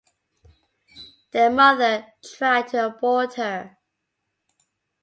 Their mother tried to abort her.